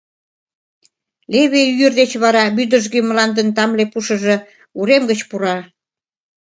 Леве йӱр деч вара вӱдыжгӧ мландын тамле пушыжо урем гыч пура.